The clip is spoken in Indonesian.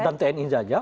dan tni saja